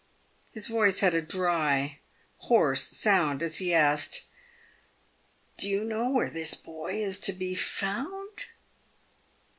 His voice had a dry, hoarse sound as he asked :" Do you know where this boy is to be found?"